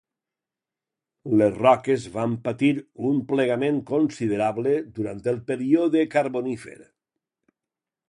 Les roques van patir un plegament considerable durant el període carbonífer.